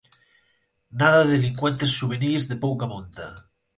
Nada de delincuentes xuvenís de pouca monta.